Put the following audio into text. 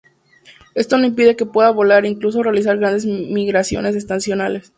Esto no impide que pueda volar e incluso realizar grandes migraciones estacionales.